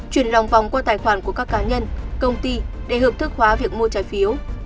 chuyển lòng vòng qua tài khoản của các cá nhân công ty để hợp thức hóa việc mua trái phiếu